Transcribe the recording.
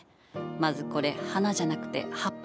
まずこれ花じゃなくて葉っぱですよ。